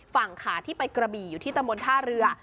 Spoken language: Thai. ฝั่งขาที่ไปกระบี่อยู่ที่ตะมนต์ท่าเรือ